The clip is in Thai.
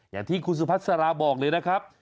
แต่ที่คุณสุภัฒน์สาระบอกเลยนะครับ